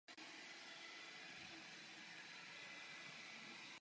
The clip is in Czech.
Postranní vozíky jsou účelové rámy s plochou platformou.